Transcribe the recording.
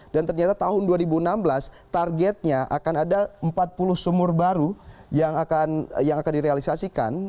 dan ternyata tahun dua ribu enam belas targetnya akan ada empat puluh sumur baru yang akan direalisasikan